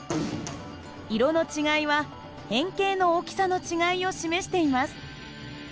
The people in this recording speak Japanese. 色の違いは変形の大きさの違いを示しています。